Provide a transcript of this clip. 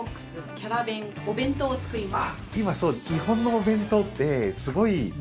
キャラ弁、お弁当を作ります。